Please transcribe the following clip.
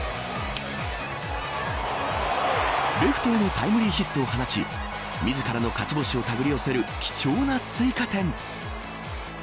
レフトへのタイムリーヒットを放ち自らの勝ち星をたぐり寄せる貴重な追加点。